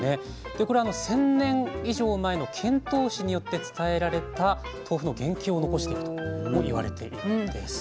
でこれ１，０００年以上前の遣唐使によって伝えられた豆腐の原型を残してるとも言われているんです。